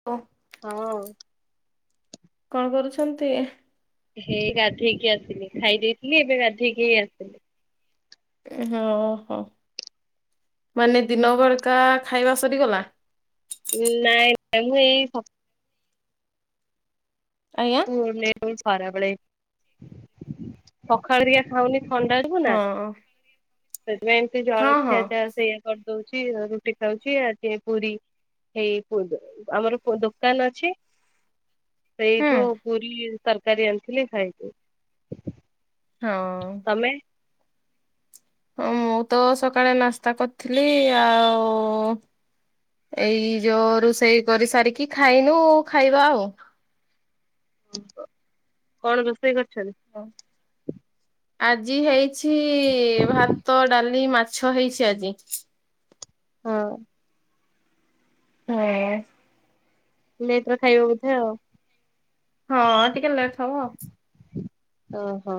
[unintelligible] ହଁ। କଣ କରୁଛନ୍ତି? ହେଇ ଗାଧେଇକି ଆସିଲି ଖାଇ ଦେଇେଇଥିଲି ଏବେ ଗାଧେଇକି ଆସିଲି। ଓହୋ ମାନେ ଦିନ ବଳକା ଖାଇବା ସରିଗଲା। ନାଇଁ ନାଇଁ ମୁଁ ଏଇ [unintelligible] ଆଜ୍ଞା। [unintelligible] ଖରାବେଳେ ପଖାଳ ଟ ଖାଉନି ଥଣ୍ଡା ନା ହଁ ହଁ ସେଥିପାଇଁ ଏମତି ଜଳଖିଆ ହଁ। ଚା ସେଇ କରିଦଉଛି ରୁଟି ଖାଉଛି ଆ ଟ ପୁରୀ। ସେଇ ଆମର ଦୋକାନ ଅଛି ସେଇ। ହୁଁ। ପଠ ପୁରୀ ତରକାରୀ ଆଣିଥିଲି ଖାଇଚି। ହଁଏ। ତମେ? ହ ମୁଁ ତ ସକାଳେ ନାସ୍ତା କରିଥିଲି ଆଉ। ଏଇ ଯୋଉ ରୋଷେଇ କରି ସାରିକି ଖାଇନୁ ଆଉ ଖାଇବା ଆଉ। କଣ ରୋଷେଇ କରିଛନ୍ତି? ଆଜି ହେଇଛି ଭାତ ଡାଲି ମା ଛ ହେଇଛି ଆଜି। ହଁ। ହଁ। ନେ ଏଇଥର ଖାଇବ ବୋଧେ ଆଉ। ହଁ ଟିକେ ଲେଟ୍ ହବ। ଓହୋ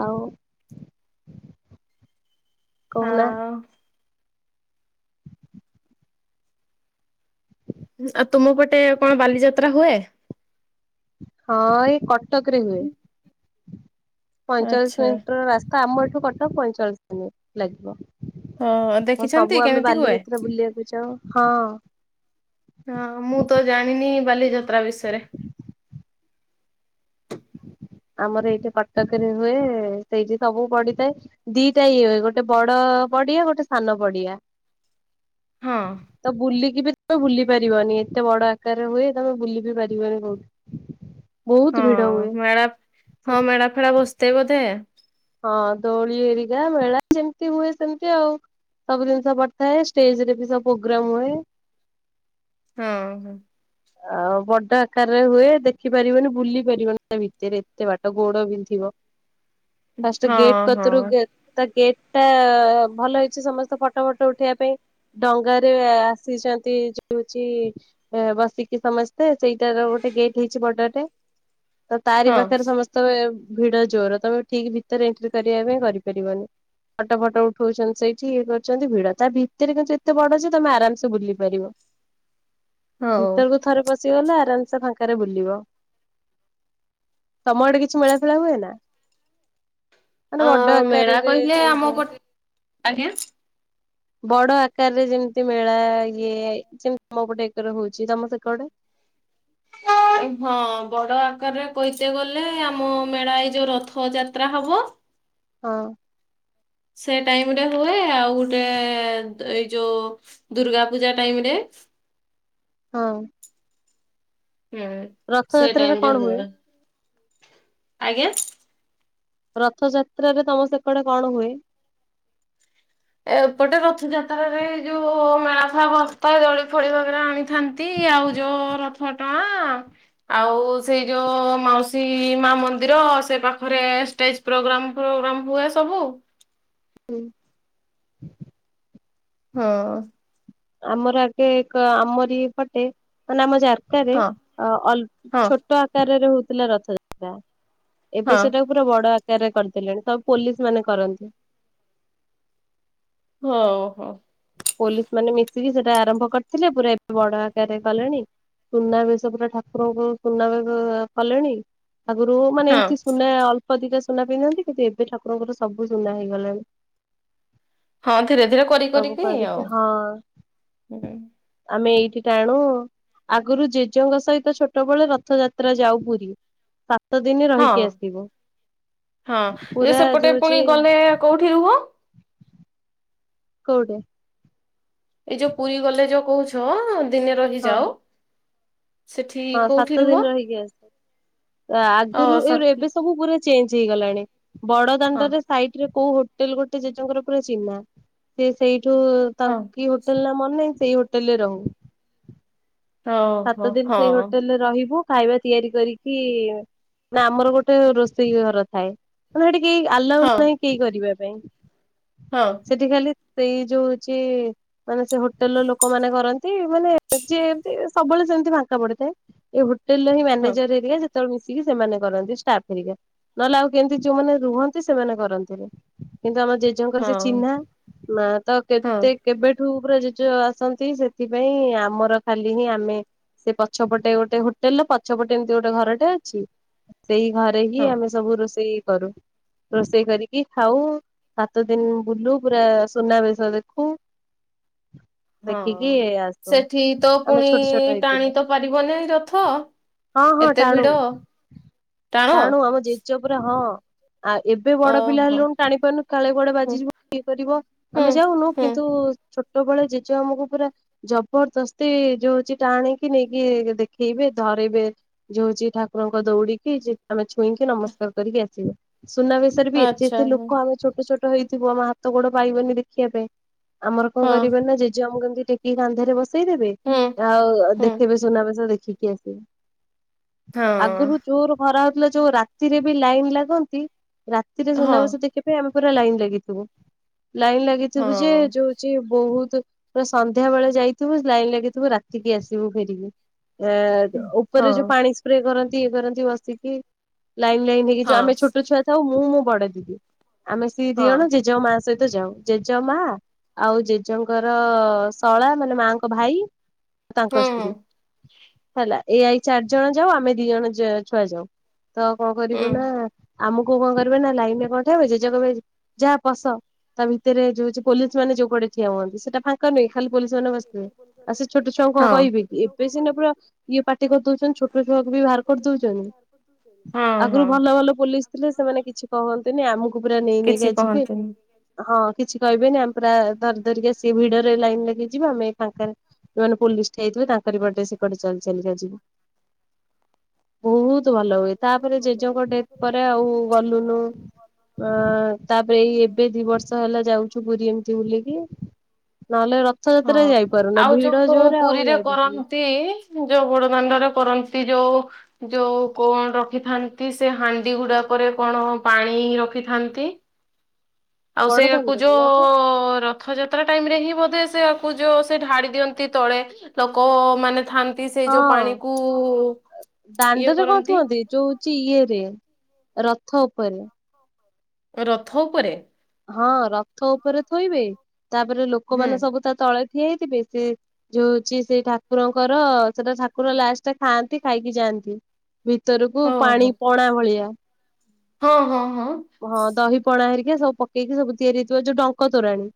ଆଉ କହୁନା। ଆଉ ଆଉ ତୁମ ପଟେ କଣ ବାଲିଯାତ୍ରା ହୁଏ। ହଁ ଏଇ କଟକ ରେ ହୁଏ। ପଇଁଚାଳିଶ ଆଚ୍ଛା ମିନିଟ୍ ର ରାସ୍ତା। ଆମ ଏଠୁ କଟକ ପଇଁଚାଳିଶ ମିନିଟ୍ ଲାଗିବ। ହଁ ତ ଦେଖିଛନ୍ତି ସବୁ ଆମେ କେମିତି ହୁଏ? ବାଲିଯାତ୍ରା ବୁଲିବାକୁ ଯାଉ ହଁ। ହଁ ମୁଁ ତ ଜାଣିନି ବାଲିଯାତ୍ରା ବିଷୟରେ। ଆମର ଏଇଠି କଟକରେ ହୁଏ। ସେଇଠି ସବୁ ପଡିଥାଏ। ଦିଟା ଇଏ ହୁଏ। ଗୋଟେ ବଡ ପଡିଆ। ଗୋଟେ ସାନ ପଡିଆ। ହଁ ତ ବୁଲିକି ବି ତ ବୁଲି ପାରିବନି ଏତେ ବଡ ଆକାରରେ ହୁଏ। ତମେ ବୁଲି ବି ପାରିବନି କୋଉଠି। କୋ ବହୁତ ଭିଡ୍‌ ହଁ ମେଳା ହଁ ମେଳା ଫେଳା ବସିଥାଏ ବୋଧେ। ହଁ ଦୋଳି ଏରିକା ମେଳା ଯେମିତି ହୁଏ ସେମିତି ଆଉ। ସବୁ ଜିନିଷ ପଡିଥାଏ ଷ୍ଟେଜ ରେ ବି ସବ ପ୍ରୋଗ୍ରାମ ହୁଏ। ହଁ ହଁ। ଆଉ ବଡ ଆକାରରେ ହୁଏ ଦେଖିପାରିବନି ବୁଲି ପାରିବନି। ତା ଭିତରେ ଏତେ ବାଟ ଗୋଡ ବିନ୍ଧିବ। ଫାଷ୍ଟ ହଁ ଗେଟ ହଁ କତିରୁ ହଁ ଗ ତ ଗେଟ୍ ଟା ଭଲ ହେଇଛି ସମସ୍ତେ ଫଟୋ ଫଟୋ ଉଠେଇବା ପାଇଁ। ଡଙ୍ଗାରେ ଆସିଛନ୍ତି ଯୋଉଛି ବସି। ସମସ୍ତେ ସେଇଟାର ଗୋଟେ ଗେଟ୍ ହେଇଛି ବର୍ଡରରେ ତ ତାରି ହଁ ପାଖରେ ସମସ୍ତେ। ତମେ ଭିଡ ଜୋର ତମେ ଠିକ୍ ଭିତରେ ଏଣ୍ଟ୍ରି କରିବା ପାଇଁ କରିପାରିବନି। ଫଟୋ ଫଟୋ ଉଠଉଛନ୍ତି ସେଇଠି ଇଏ କରୁଛନ୍ତି ଭିଡ ତା ଭିତରେ କିନ୍ତୁ ଏତେ ବଡ ଯେ ତମେ ଆରାମସେ ବୁଲି ପାରିବ। ହୋଉ। ତୁ ଥରେ ପଶି ଗଲା ଆରାମ୍ ସେ ଫାଙ୍କାରେ ବୁଲିବ। ତମ ଆଡେ କିଛି ମେଳା ଫେଳା ହୁଏ ନା। ମାନେ ବଡ ଅ ମେଳା ଆକାରରେ କହିଲେ ଯୋଉ ଆମ ହୁଏ। ଉପ୍ ଆଜ୍ଞା। ବଡ ଆକାରରେ ଯେମିତି ମେଳା ଇଏ ଯେମିତି ମୋ ପଟେ ଏକରେ ହଉଛି ତମ ସେପଟେ ହଁ ବଡ ଆକାରରେ କହିତେ ଗଲେ ଆମ ମେଳା ଏ ଯୋଉ ରଥ ଯାତ୍ରା ହବ। ହଁ। ସେ ଟାଇମ୍ ରେ ହୁଏ। ଆଉ ଗୋଟେ ଏଇ ଯୋଉ ଦୁର୍ଗା ପୂଜା ଟାଇମ୍ ରେ। ହଁ। ହୁଁ ସେ ରଥଯାତ୍ରାରେ ଟାଇମ୍ ରେ କଣ ହୁଏ ଆଜ୍ଞା। ରଥଯାତ୍ରାରେ ତମ ସେକଡେ କଣ ହୁଏ‌? ଏପଟେ ରଥଯାତ୍ରାରେ ଯୋଉ ମେଳା ଫଳା ବସ୍ଥା ଜଳି ଫଳି ଭାବରେ ଆଣିଥାନ୍ତି। ତି ଆଉ ଜୋଉ ରଥ ଟଣା। ଆଉ ସେଇ ଯୋଉ ମାଉସୀ ମା ମନ୍ଦିର ସେ ପାଖରେ ଷ୍ଟେଜ। ପ୍ରୋଗ୍ରାମ ଫୋଗ୍ରାମ ହୁଏ ସବୁ। ହୁଁ ହଁ। ଆମର ଆଗେ କ ଆମରି ପଟେ ମାନେ ଆମ ଯାର୍କ ରେ ହଁ ଅ ଅଲ୍ ହଁ ଛୋଟ ଆକାରରେ ହଉଥିଲା ରଥଯାତ୍ରା ଏବେ ହଁ। ସେଟାକୁ ପୁରା ବଡ଼ ଆକାରରେ କରିଦଲେଣି ସବୁ ପୋଲିସ୍ ମାନେ କରନ୍ତି। ହ ହଁ। ପୋଲିସ୍ ମାନେ ମିଶିକି ସେଟା ଆରମ୍ଭ କରିଥିଲେ ପୁରା ଏବେ ବଡ଼ ଆକାରରେ କଲେଣି। ସୁନାବେଶ ପୁରା ଠାକୁରଙ୍କୁ ସୁନାବେଶ କଲେଣି ଆଗରୁ ମାନେ ହଁ ଏମତି ସୁନା ଅଳ୍ପ ଅଧିକା ସୁନା ପନ୍ଧନ୍ତି କିନ୍ତୁ ଏବେ ଠାକୁରଙ୍କର ସବୁ ସୁନା ହେଇଗଲାଣି। ହଁ ଧୀରେ ଧୀରେ କରି କରି ସବୁ କରିକି ହଁ ଆମେ ଏଇଠି ଟାଣୁ। ଆଗରୁ ଜେଜେଙ୍କ ସହିତ ଛୋଟ ବେଳେ ରଥଯାତ୍ରା ଯାଉ ପୁରୀ ତା ସାତ ଦିନ ହଁ ରହିକି ଆସିବୁ ପୁରା ଯୋ ହେଉଚି ଏ କୋଉଠି ରୁହ? କେଉଠି। ଏଇ ଯୋଉ ପୁରୀ ଗଲେ ଯୋଉ କହୁଛ ଦିନେ ହଁ ରହିଯାଉ। ହଁ ସାତ ଦିନି ରହିକି ଆସୁ ଅ ଆଗରୁ ଏ ସ ଏବେ ସବୁ ପୁରା ଚେଞ୍ଜ ହେଇଗଲାଣି ବଡ଼ ହଁ ଦାଣ୍ଡରେ ସାଇଟରେ କୋଉ ହୋଟେଲ୍ ଗୋଟେ ଜେଜେଙ୍କର ପୁରା ଚିହ୍ନା ସିଏ ସେଇଠୁ ତାଙ୍କ ହଁ କିଏ ହୋ ହୋଟେଲ୍ ମାନେ ସେଇ ହୋଟେଲରେ ରହୁ। ଓହୋ ସାତ ଦିନି ହଁ ସେଇ ହୋଟେଲରେ ରହିବୁ। ଖାଇବା ତିଆରି କରିକି ନା ଆମର ଗୋଟେ ରୋଷେଇ ଘର ଥାଏ। ମାନେ ହେଟି କେହି ଆଲାଉ ନାହିଁ କେହି କରିବା ପାଇଁ। ହଁ। ସେଠି ଖାଲି ସେଇ ଯୋଉ ହଉଚି ମାନେ ସେ ହୋଟେଲରେ ଲୋକମାନେ କରନ୍ତି ମାନେ ଯିଏ ଏମତି ସବୁବେଳେ ସେମିତି ଫାଙ୍କା ପଡ଼ିଥାଏ ଏଇ ହୋଟେଲରେ ହିଁ ହଉ ମ୍ୟାନେଜର ହରିକା ହେତେବେଳେ ମିଶିକି ସେମାନେ କରନ୍ତି ଷ୍ଟାଫ୍ ହେରିକା ନହେଲେ ଆଉ କେମିତି ଯୋଉମାନେ ରୁହନ୍ତି ସେମାନେ କରନ୍ତିନି। କିନ୍ତୁ ଆମ ଜେଜେଙ୍କର ହଉ ସେଚିହ୍ନା ମାତ ହଉ କେତେ ହଉ କେବେଠୁ ପୁରା ଜେଜେ ଆସନ୍ତି ସେଥିପାଇଁ ଆମର ଖାଲିହିଁ ଆ ଆମେ ସେପଛପଟେ ଗୋଟେ ହୋଟେଲର ପଛପଟେ ଏମିତି ଗୋଟେ ଘରଟେ ଅଛି ସେଇ ଘରେହିଁ ହଁ। ଆମେ ସବୁ ରୋଷେଇ କରୁ ରୋଷେଇ କରିକି ଖାଉ ସାତ ଦିନି ବୁଲୁ ପୁରା ସୁନାବେଶ ଦେଖୁ। ଦେଖିକି ଆସୁ। ହି ତ ଆମେ ପୁଣି ଛୋଟ ଛୋଟ ଟାଣି ହେଇଥିଲୁ ତ ପାରିବନି ରଥ। ହଁ ହଁ ଏତେ ଭିଡ ଟାଣୁ। ଟାଣ ଟାଣୁ ଆମ ଜେଜେ ପୁରା ହଁ। ଆଉ ଏବେ ବଡ଼ ପିଲା ଓହୋ ହେଲୁଣୁ ଟାଣି ପାରୁନୁ କାଳେ ଗୋଡ଼ ହୁଁ ବାଜିଯିବ ଇଏ କରିବ। ହୁଁ ଆମେ ଯାଉନୁ ହୁଁ କିନ୍ତୁ ଛୋଟବେଳେ ଜେଜେ ଆମକୁ ପୁରା ଜବରଦସ୍ତି ଯୋଉ ନିଜେ ଟାଣିକି ନେଇକି ଦେଖେଇବେ ଧରେଇବେ ଯୋ ହଉଚି ଠାକୁରଙ୍କ ଦୌଡିକି ଆମେ ଛୁଇଁକି ନମସ୍କାର କରିକି ଆସିବୁ ସୁନାବେସ ସେରାବି ଏତେ ଆଚ୍ଛା ଏତେ ହଁ ଲୋକ ଆମେ ଛୋଟ ଛୋଟ ହେଇଥିବୁ ଆମ ହାତ ଗୋଡ଼ ପାଇବନି ଦେଖିବା ପାଇଁ। ଆମର କଣ ହଁ କରିବେନା ଜେଜେ ଆମକୁ ଏମିତି ଟେକିକି କାନ୍ଧରେ ବସେଇ ଦେବେ ହୁଁ ଆଉ ହୁଁ ଦେଖେଇବେ ସୁୁନାବେସ ଦେଖିକି ଆସିବୁ। ହଁ। ଆଗରୁ ଜୋରେ ହରା ହଉଥିଲା ଯୋଉ ରାତିରେବି ଲାଇନ୍ ଲାଗନ୍ତି ରାତିରେ ହଁ ସୁନାବେସ ଦେଖ ଆମେ ପୁରା ଲାଇନ୍ ଲାଗିଥିବୁ ଲାଇନ୍ ହଁ ଲାଗିଥିବୁଯେ ଯୋଉଛି ବହୁତ୍ ପୁରା ସନ୍ଧ୍ୟାବେଳେ ଯାଇଥିବୁ ଲାଇନ ଲାଗିଥିବୁ ରାତିକି ଆସିବୁ ଫେରିକି। ଏ ଉପରେ ହଁ ଯୋଉ ପାଣି ସ୍ପ୍ରେ କରନ୍ତି ଇଏ କରନ୍ତି ବସିକି ଲାଇନ୍ ଲାଇନ ହେଇ ଏଇ ହଁ ହଁ ଯୋଉ ଆମେ ଛୋଟ ଛୁଆ ଥାଉ ମୁଁ ମୋ ବଡ ଦିଦି। ଆମେ ସେ ଦି ଜଣ ଜେ ଜେ ମା ସହିତ ଯାଉ। ଜେଜ ମା ଆଉ ଜେଜେଙ୍କର ଶଳା ମାନେ ମାଙ୍କ ଭାଇ। ତାଙ୍କ ହୁଁ ହୁଁ ସ୍ତ୍ରୀ ହେଲା ଏ ଆଇ ଚାରି ଜଣ ଯାଉ ଆମେ ଦି ଜ ଛୁଆ ଯାଉ। ତ କଣ କରିବୁ ନା ଆମକୁ କଣ କରିବେ ନା ଲାଇନରେ କଣ ଠିଆହବ ଜେଜେ କହିବେ ଯା ବସ। ତା ଭିତରେ ଯୋଉ ପୋଲିସ ମାନ ଯୋଉ ପଟେ ଠିଆ ହୁଅନ୍ତି ସେଟା ଫାଙ୍କା ନୁହେଁ କି ଖାଲି ପୋଲିସ ମାନେ ବସିଥିବେ। ଆଉ ସେ ଛୋଟ ଛୁଆଙ୍କୁ କଣ ହଁ କହିବେ କି ଏବେ ସିନା ପୁରା ଇଏ ପାଟି କରିଦୋଉଛନ୍ତି ଛୋଟ ଛୁଆକୁ ବି ବାହାର କରିଦଉଛନ୍ତି। ହଁ ହଁ। ଆଗରୁ ଭଲ ଭଲ ପୋଲିସ ଥିଲେ ସେମାନେ କିଛି କହନ୍ତିନି ଆମକୁ ପୁରା ନେଇ ନେଇକା ଯିବେ। ହୁଁ। ହଁ କିଛି କହିବେନି ଆମେ ପୁରା ଧରି ଧରିକି ସେ ଭିଡରେ ଲାଇନ ଲଗେଇ ଯିବେ ଆମେ ଏଇ ଫାଙ୍କାରେ ଯୋଉମାନେ ପୋଲିସ ଠିଆ ହେଇଥିବେ ତାଙ୍କରି ପଟେ ସେ କଡେ ଚାଲି ଚାଲିକା ଯିବୁ। ବହୁତ ଭଲ ହୁଏ। ତାପରେ ଜେଜେଙ୍କ ଡେଥ ପରେ ଆଉ ଗଲୁନୁ। ଅ ତାପରେ ଏଇ ଏବେ ଦି ବର୍ଷ ହେଲା ଯାଉ। ପୁରୀ ଏମିତି ବୁଲିକି ନହେଲେ ରଥଯାତ୍ରା ହଁ। ଯାଇପାରୁନା। ଆଉ ଭିଡ ଯୋଉ ଜୋରେ ଆଉ ପୁରୀରେ ଯାଇପାରୁନୁ। କରନ୍ତି, ଯୋଉ ବଡଦାଣ୍ଡରେ କରନ୍ତି ଯୋଉ ଯଉ କଣ ରଖିଥାନ୍ତି ସେ ହାଣ୍ଡି ଗୁଡାକରେ କଣ ପାଣି ରଖିଥାନ୍ତି। ଆଉ ବଡ ସେଇ ଆଗକୁ ଜୋ ଦାଣ୍ଡରେ ନା ତ ର ରଥଯାତ୍ରା ଟାଇମ ରେ ହିଁ ବୋଧେ ସେଆକୁ ଯୋଉ ସେ ଢାଳି ଦିଅନ୍ତି ତଳେ ଲୋକମାନେ ଥାଆନ୍ତି। ସେଇ ଯୋଉ ହଁ। ପାଣିକୁ ଇଏ କରନ୍ତି। ଯୋ ହଉଚି ଇଏରେ ରଥ ଉପରେ। ରଥ ଉପରେ? ହଁ ରଥ ଉପରେ ଥୋଇବେ ତାପରେ ହୁଁ ଲୋକମାନେ ସବୁ ତା ତଳେ ଠିଆ ହେଇଥିବେ, ସେ ଯୋ ହଉଛି ସେଇ ଠାକୁରଙ୍କର ସେଟା ଠାକୁର ଲାଷ୍ଟ ଖାଆନ୍ତି ଖାଇକି ଯାଆନ୍ତି। ଭିତରକୁ ଓହୋ ପାଣି ପଣା ଭଳିଆ ହଁ ହଁ ହଁ। ହଁ ଦହି ପଣା ହେରିକା ସବୁ ପକେଇକି ସବୁ ତିଆରି ହେଇଥିବ ଯୋଉ ଡଙ୍କ ତୋରାଣୀ।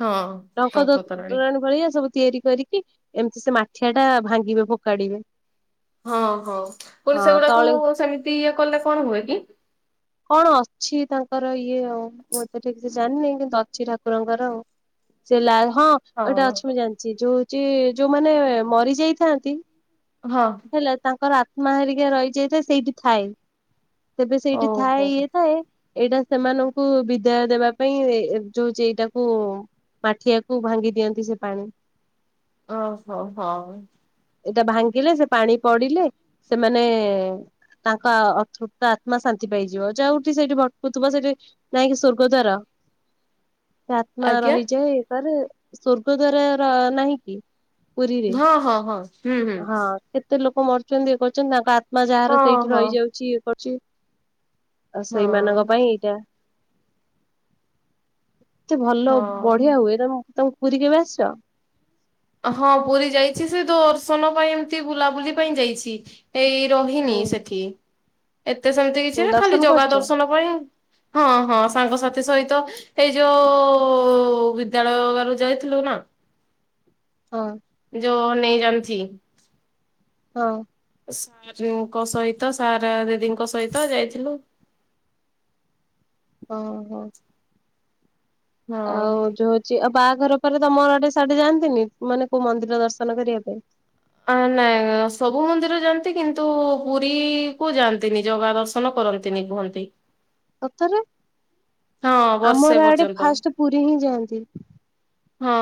ହଁ ଡଙ୍କ ଟଙ୍କ ତୋରାଣି ତୋରାଣୀ ଭଳିଆ ସବୁ ତିଆରି କରିକି ଏମିତି ସେ ମାଠିଆ ଟା ଭାଙ୍ଗିବେ ଫୋପାଡିବେ। ହଁ ହଁ ମୁଁ କହିଲି ସେଗୁଡାକୁ ତଳେ ସେମିତି ଇଏ କଲେ କଣ ହୁଏ କି? କଣ ଅଛି ତାଙ୍କର ଇଏ ଆଉ। ମୁଁ ତ ଠିକ ସେ ଜାଣିନି କିନ୍ତୁ ଅଛି ଠାକୁରଙ୍କର ଆଉ। ସେ ଲା ହଁ ଏଇଟା ହଁ। ଅଛି ମୁଁ ଜାଣିି ସେ ଯୋଉ ହୋଉଛି ଯୋଉମାନେ ମରି ଯାଇଥାନ୍ତି ହଁ। ହେଲେ ତାଙ୍କର ଆତ୍ମା ହେରିକା ରହିଯାଇଥାଏ ସେଇଠି ଥାଏ। ତେବେ ସେଇଠି ହଉ ଥାଏ ହଉ ଇଏ ଥାଏ। ଏଇଟା ସେମାନଙ୍କୁ ବିଦାୟ ଦେବା ପାଇଁ ଏ ଯୋ ହଉଛି ଏଇଟାକୁ ମାଠିଆକୁ ଭାଙ୍ଗି ଦିଅନ୍ତି ସେ ପାଣି। ଓହୋ ହଉ। ଏଇଟା ଭାଙ୍ଗିଲେ ସେ ପାଣି ପଡିଲେ ସେମାନେ ତାଙ୍କ ଅତୃପ୍ତ ଆତ୍ମା ଶାନ୍ତି ପାଇଯିବ। ଯୋଉଠି ସେଇଠି ଭଟକୁଥିବ ସେଠି ନାହିଁ କି ସ୍ଵର୍ଗ ଦ୍ୱାର। ସେ ଆତ୍ମା ଆଜ୍ଞା। ରହିଯାଏ ତାର ସ୍ଵର୍ଗ ଦ୍ଵାରାର ନାହିଁ କି। ପୁରୀରେ ହଁ-ହଁ-ହଁ, ହଁ ହୁଁ-ହୁଁ। କେତେ ଲୋକ ମରୁଛନ୍ତି ଇଏ କରୁଛନ୍ତି ତାଙ୍କ ଆତ୍ମା ଯାହାର ହଁ ସେଇଠି ହଁ ରହିଯାଉଛି ଇଏ କରୁଛି। ଆଉ ହଁ ସେଇମାନଙ୍କ ପାଇଁ ଏଇଟା। ଏତେ ଭଲ ହଁ। ବଢିଆ ହୁଏ, ତମ ତମେ ପୁରୀ କେବେ ଆସିଛ? ହଁ ପୁରୀ ଯାଇଛି ସେ ଦର୍ଶନ ପାଇଁ ଏମତି ବୁଲାବୁଲି ପାଇଁ ଯାଇଛି। ଏଇ ରହିନି ସେଠି। ଏତେ ସେମିତି ହୁଁ କିଛି ନାଇଁ ଖାଲି ଦର୍ଶନ ଜଗା କରିଛ ଦର୍ଶନ ପାଇଁ ହଁ-ହଁ ସାଙ୍ଗସାଥି ସହିତ ହେଇ ଯୋଉ-ଉ-ଉ-ଉ-ଉ-ଉ ବିଦ୍ୟାଳୟରୁ ଯାଇଥିଲୁ ନା। ହଁ। ଯୋଉ ନେଇ ଜାନଛି। ହଁ। ସାରେଙ୍କ ସହିତ ସାର୍ ଦିଦିଙ୍କ ସହିତ ଯାଇଥିଲୁ। ଓହୋଃ। ଆଉ ହଁ। ଯୋଉ ହଉଛି ଆଉ ବାହାଘର ପରେ ତମର ଆଡ଼େ ସେଆଡ଼େ ଯାଆନ୍ତିନି ମାନେ କୋଉ ମନ୍ଦିର ଦର୍ଶନ କରିବାପାଇଁ? ଆ ନାଇଁ ସବୁ ମନ୍ଦିର ଯାଆନ୍ତି କିନ୍ତୁ ପୁରୀକୁ ଯାଆନ୍ତିନି, ଜଗା ଦର୍ଶନ କର ତିନି କୁହନ୍ତି। ସତରେ ହଁ ବର୍ଷେ ଆମର ଏଆଡ଼େ ପର୍ଯ୍ୟନ୍ତ। ଫାଷ୍ଟ ପୁରୀ ହିଁ ଯାଆନ୍ତି। ହଁ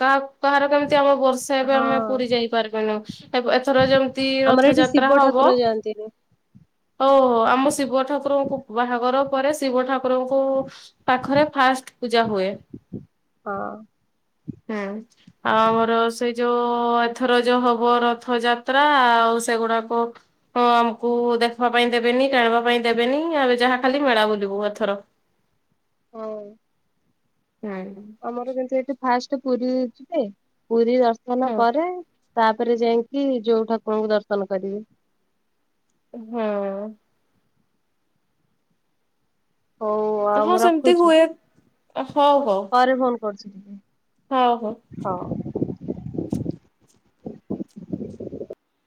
କାହା କାହାର କେମିତି ଆମ ବର୍ଷେ ଏବେ ହଁ ଆମେ ପୁରୀ ଯାଇ ପାରିବୁନୁ। ହେବ ଏଥର ଯେମିତି ଆମର ଏଠି ରଥଯାତ୍ରା ଶିବ ଠାକୁର ହବ। ଯାଆନ୍ତିନି ଓ ଆମ ଶିବ ଠାକୁରଙ୍କୁ ବାହାଘର ପରେ ଶିବ ଠାକୁରଙ୍କୁ ଙ୍କୁ ପାଖରେ ଫାଷ୍ଟ ପୂଜା ହୁଏ। ହଁ। ହୁଁ। ଆଉ ଆମର ସେଇ ଯୋଉ ଏଥର ଯୋଉ ହବ ରଥଯାତ୍ରା ଆଉ ସେଗୁଡ଼ାକୁ ହଁ ଆମକୁ ଦେଖିବା ପାଇଁ ଦେବେନି, ଗାଇବା ପାଇଁ ଦେବେନି, ଆମେ ଯାହା ଖାଲି ମେଳା ବୁଲିବୁ ଏଥର। ହଉ। ହୁଁ। ଆମର କିନ୍ତୁ ଏଠି ଫାଷ୍ଟ ପୁରୀ ଯିବେ, ପୁରୀ ଦର୍ଶନ ହଁ ପରେ ତାପରେ ଯାଇଁକି ଯୋଉ ଠାକୁରଙ୍କୁ ଦର୍ଶନ କରିବି। ହୁଁ। ହଉ ଆଉ ହଁ ମୁଁ ସେମିତି ରଖୁଛି। ହୁଏ ହଉ ହଉ ପରେ ଫୋନ୍ ହଁ। ହଉ ହଉ।